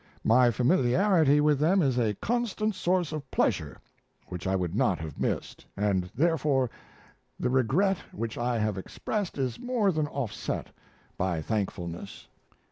My familiarity with them is a constant source of pleasure which I would not have missed, and therefore the regret which I have expressed is more than offset by thankfulness.